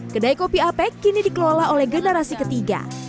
kedai kopi apek kini dikelola oleh generasi ketiga